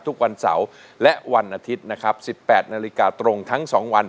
ทุกวันเสาร์และวันอาทิตย์นะครับ๑๘นาฬิกาตรงทั้ง๒วัน